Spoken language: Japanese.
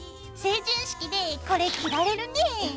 成人式でこれ着られるねぇ。